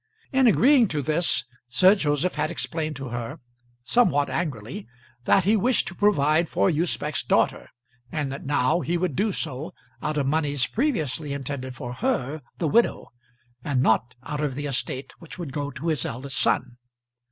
In agreeing to this Sir Joseph had explained to her, somewhat angrily, that he wished to provide for Usbech's daughter, and that now he would do so out of moneys previously intended for her, the widow, and not out of the estate which would go to his eldest son.